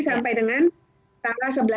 sampai dengan tanggal sebelas